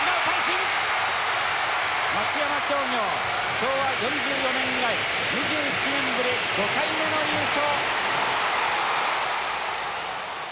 昭和４４年以来２７年ぶり５回目の優勝。